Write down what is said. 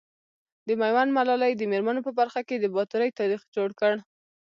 د ميوند ملالي د مېرمنو په برخه کي د باتورئ تاريخ جوړ کړ .